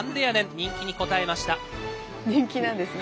人気なんですね。